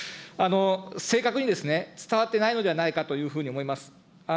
正確に伝わってないのではないかというふうに思います。